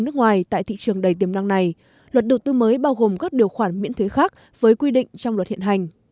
các điều khoản miễn thuế khác với quy định trong luật hiện hành